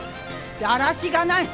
だらしがない！